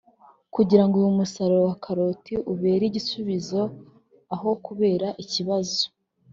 kugirango uyu musaruro wa karoti ubabere igisubizo aho kubabera ikibazo